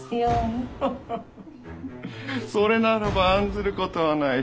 ハハハそれならば案ずることはない。